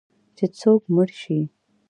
چې څوک مړ شي